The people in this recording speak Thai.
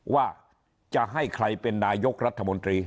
ว่าจะให้ใครเป็นนายกรัฐมนตรี